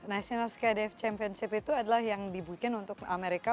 national skydiving championship itu adalah yang dibuatkan untuk amerika